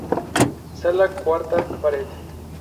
Sala Cuarta Pared.